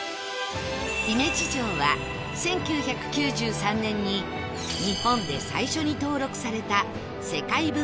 姫路城は１９９３年に日本で最初に登録された世界文化遺産